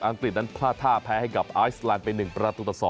กฤษนั้นพลาดท่าแพ้ให้กับไอซแลนด์ไป๑ประตูต่อ๒